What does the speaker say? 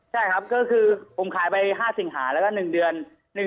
ใช่ครับก็คือผมขายไป๕สิงหาแล้วก็๑เดือน